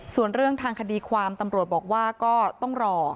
ส่วนเรื่องทางคดีความตำรวจบอกว่าก็ต้องรอ